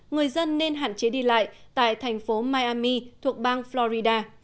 người dân nên hạn chế đi lại tại thành phố miami thuộc bang florida